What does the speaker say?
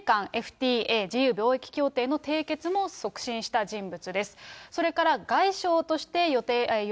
米韓ＦＴＡ・自由貿易協定締結も促進した人物です。